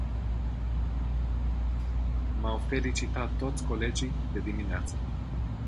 M-au felicitat toți colegii, de dimineață.